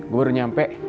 gue udah nyampe